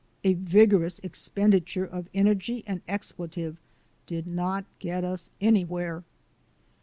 A vigorous expenditure of energy and expletive did not get us anywhere.